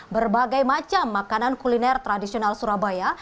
berbagai macam makanan kuliner tradisional surabaya